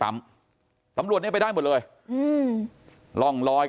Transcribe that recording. กลุ่มตัวเชียงใหม่